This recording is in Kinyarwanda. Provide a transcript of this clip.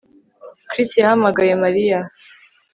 Chris yahamagaye Mariya